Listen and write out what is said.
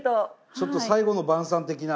ちょっと最後の晩餐的な。